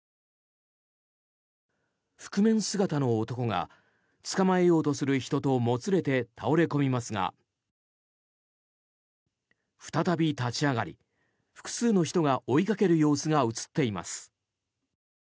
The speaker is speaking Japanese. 覆面姿の男が捕まえようとする人ともつれて倒れ込みますが再び立ち上がり複数の人が追いかける様子が映っています。